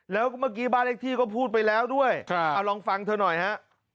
แล้วเมื่อกี้บ้านเลขที่ก็พูดไปแล้วด้วยเอาลองฟังเธอหน่อยฮะ